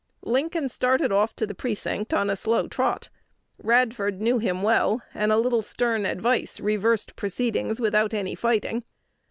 Lincoln started off to the precinct on a slow trot. Radford knew him well, and a little stern advice reversed proceedings without any fighting.